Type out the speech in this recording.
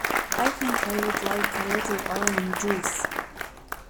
I think I would like a little orange juice.